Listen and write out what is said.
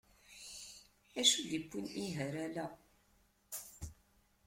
Acu i d iwwin ih ɣer ala?